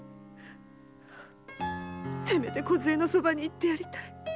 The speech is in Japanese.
せめてこずえのそばに行ってやりたい。